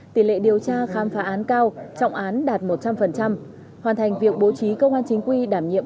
tỷ lệ điều tra khám phá án cao trọng án đạt một trăm linh hoàn thành việc bố trí công an chính quy đảm nhiệm